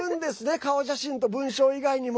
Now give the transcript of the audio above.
顔写真と文章以外にも。